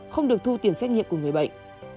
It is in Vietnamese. không được thu tiền xét nghiệm của người bệnh